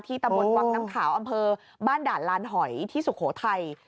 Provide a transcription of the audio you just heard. ตำบลวังน้ำขาวอำเภอบ้านด่านลานหอยที่สุโขทัย